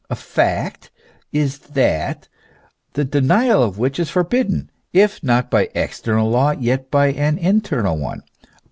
A fact is that, the denial of which is forbidden, if not by an external law, yet by an internal one.